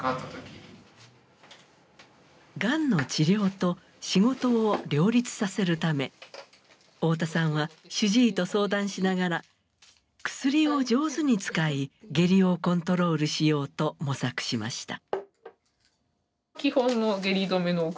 がんの治療と仕事を両立させるため太田さんは主治医と相談しながら薬を上手に使い下痢をコントロールしようと模索しました。